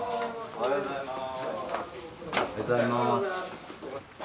おはようございます。